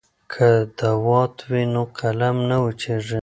که دوات وي نو قلم نه وچیږي.